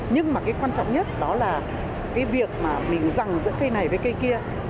nhưng mà cái quan trọng nhất đó là cái việc mà mình rằnh giữa cây này với cây kia